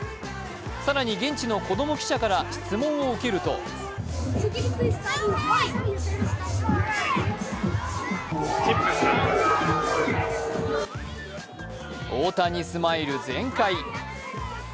更に、現地の子供記者から質問を受けると大谷スマイル全開。